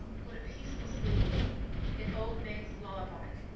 what a peaceful sleep! An old Manx Lullaby.